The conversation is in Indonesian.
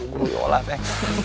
guru yola teh